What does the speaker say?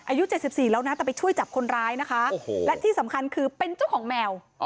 อ๋อบอกว่าอย่างนี้อีกแล้วนางแดงบอกว่าคือในชุมชนก็ไม่เคยเกิดเรื่องแบบนี้มาก่อนนะคะ